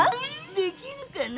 できるかな？